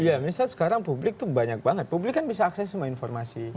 iya misalnya sekarang publik tuh banyak banget publik kan bisa akses semua informasi